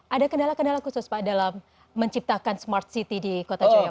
ada kendala kendala khusus pak dalam menciptakan smart city di kota jawa barat